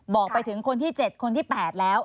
บอกไปถึงคนที่๗คนที่๘แล้ว